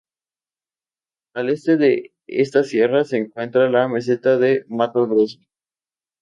Al este de esta sierra se encuentra la Meseta del Mato Grosso.